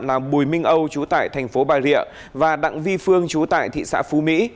là bùi minh âu trú tại tp bà địa và đặng vi phương trú tại thị xã phú mỹ